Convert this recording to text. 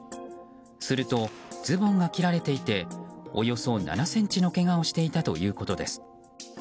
すると、ズボンが切られていておよそ７ｃｍのけがをしていたということです。